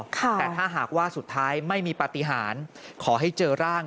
แต่ถ้าหากว่าสุดท้ายไม่มีปฏิหารขอให้เจอร่าง